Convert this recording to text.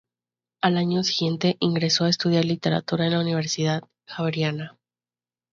Al año siguiente ingresó a estudiar literatura en la Universidad Javeriana.